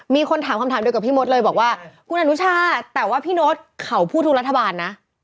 มีคนถามคำถามเดียวกับพี่มดเลยบอกว่าคุณอนุชาแต่ว่าพี่โน๊ตเขาพูดทุกรัฐบาลนะ